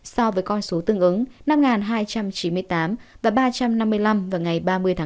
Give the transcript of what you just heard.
so với con số tương ứng năm hai trăm chín mươi tám và ba trăm năm mươi năm vào ngày ba mươi tháng tám